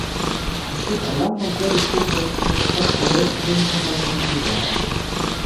Il fait un large emploi de progressions d'accords résultant d'harmonies modales.